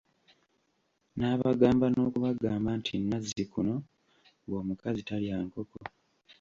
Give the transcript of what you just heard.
N'abagamba n'okubagamba nti nazzikuno, ng'omukazi talya nkoko.